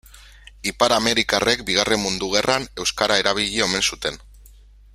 Ipar-amerikarrek Bigarren Mundu Gerran euskara erabili omen zuten.